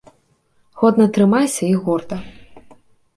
Годна трымайся і горда!